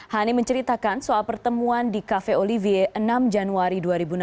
hani menceritakan soal pertemuan di cafe olivier enam januari dua ribu enam belas